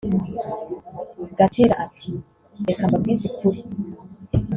Gatera ati “Reka mbabwize ukuri